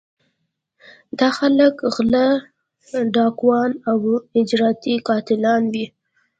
دا خلک غلۀ ، ډاکوان او اجرتي قاتلان وي